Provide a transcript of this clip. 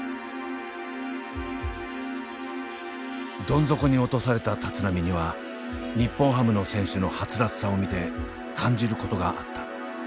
どん底に落とされた立浪には日本ハムの選手のはつらつさを見て感じることがあった。